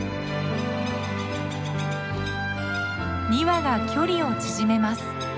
２羽が距離を縮めます。